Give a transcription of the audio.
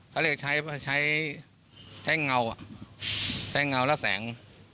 เขาเรียกใช้เงาใช้เงาและแสง